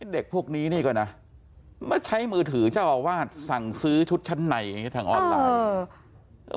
เด็กพวกนี้นี่ก็นะเมื่อใช้มือถือเจ้าอาวาสสั่งซื้อชุดชั้นในทางออนไลน์